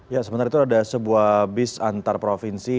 ya sementara itu ada sebuah bis antar provinsi